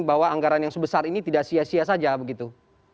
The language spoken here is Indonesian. bahwa anggaran yang sebesar ini tidak sia sia saja begitu